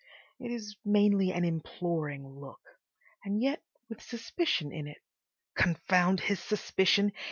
It is mainly an imploring look—and yet with suspicion in it. Confound his suspicion!